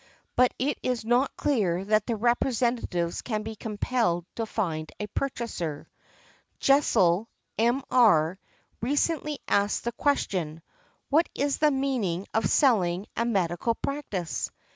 But it is not clear that the representatives can be compelled to find a purchaser . Jessel, M. R., recently asked the question, "What is the meaning of selling a medical practice?"